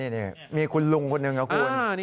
นี่มีคุณลุงคนหนึ่งครับคุณ